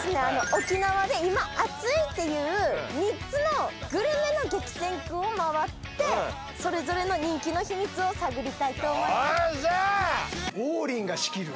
沖縄で今アツいっていう３つのグルメの激戦区を回ってそれぞれの人気の秘密を探りたいと思いますよっしゃ！